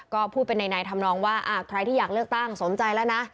ก็พูดเป็นในธรรมนองว่าใครที่อยากเลือกตั้งสมใจแล้วนะ